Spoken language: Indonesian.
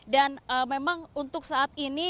dan memang untuk saat ini